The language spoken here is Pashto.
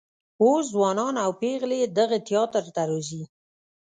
اوس ځوانان او پیغلې دغه تیاتر ته راځي.